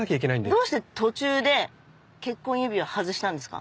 どうして途中で結婚指輪外したんですか？